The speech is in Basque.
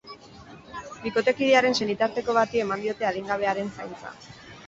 Bikotekidearen senitarteko bati eman diote adingabearen zaintza.